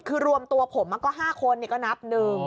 คือรวมตัวผมก็๕คนก็นับ๑